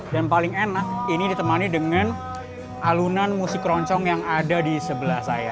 dan paling enak ini ditemani dengan alunan musik keroncong yang ada di sebelah saya